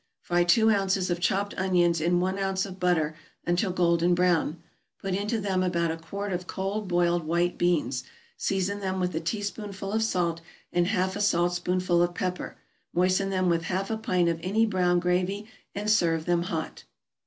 = Fry two ounces of chopped onions in one ounce of butter until golden brown; put into them about a quart of cold boiled white beans, season them with a teaspoonful of salt, and half a saltspoonful of pepper, moisten them with half a pint of any brown gravy, and serve them hot.